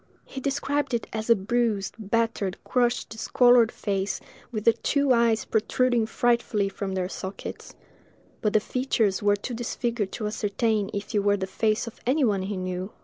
He described it as a bruised, battered, crushed, discolored face, with the two eyes protruding frightfully from their sockets; but the features were too disfigured to ascertain if it were the face of any one he knew.